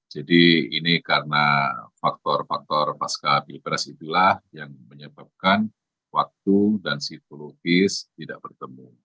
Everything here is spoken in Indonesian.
jadi ini karena faktor faktor pasca pilpres itulah yang menyebabkan waktu dan psikologis tidak bertemu